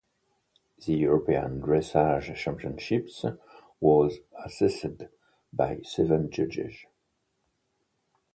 The European Dressage Championships was assessed by seven judges.